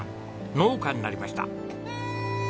農家になりました。